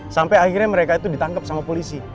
sampai akhirnya mereka itu ditangkap sama polisi